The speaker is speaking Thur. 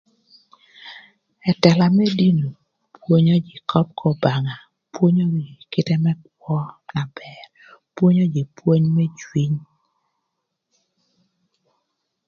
Ëtëla më dini pwonyo jö köp k'Obanga, pwonyo jö kite më kwö na bër, pwonyo jö pwony më cwiny.